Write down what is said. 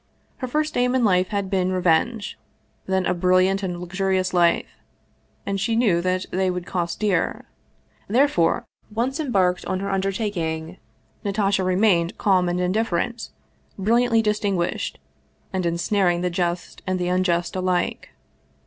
Her first aim in life had been revenge, then a brilliant and luxurious life and she knew that they would cost dear. Therefore, once embarked on her under taking, Natasha remained calm and indifferent, brilliantly distinguished, and ensnaring the just and the unjust alike.